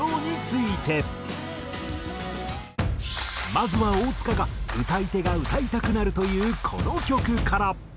まずは大塚が歌い手が歌いたくなるというこの曲から。